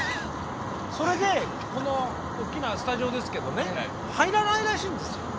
それでこのおっきなスタジオですけどね入らないらしいんですよ。